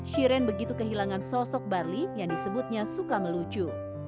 shiren begitu kehilangan sosok barli yang disebutnya suka melucu